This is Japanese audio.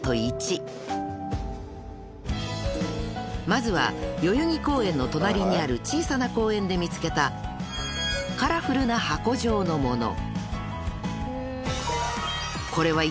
［まずは代々木公園の隣にある小さな公園で見つけたカラフルな箱状のもの］